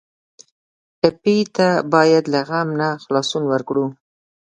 ټپي ته باید له غم نه خلاصون ورکړو.